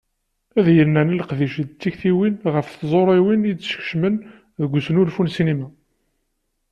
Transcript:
Ad yennerni leqdic d tektiwin ɣef tẓuriwin i d-ikeccmen deg usnulfu n ssinima.